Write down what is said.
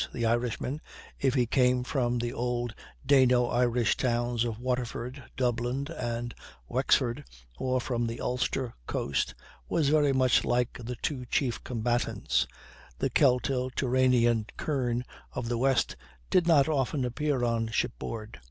The Irishman, if he came from the old Dano Irish towns of Waterford, Dublin, and Wexford, or from the Ulster coast, was very much like the two chief combatants; the Celto Turanian kern of the west did not often appear on shipboard.